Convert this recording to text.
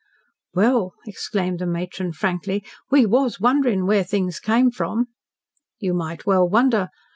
"Well," exclaimed the matron frankly, "we WAS wondering where things came from." "You might well wonder.